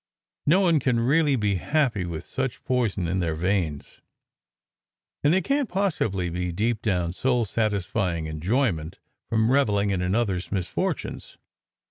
No one can really be happy with such poison in the veins, and there can t possibly be deep down, soul satisfying enjoyment from revelling in another s misfortunes.